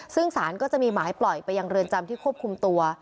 ซึ่งสารก็จะมีหมายปล่อยไปยังเรือนจำที่ควบคุมตัว